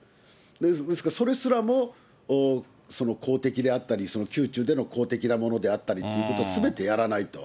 ですから、それすらもその公的であったり宮中での公的なものであったりというものをすべてやらないと。